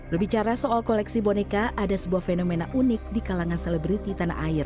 berbicara soal koleksi boneka ada sebuah fenomena unik di kalangan selebriti tanah air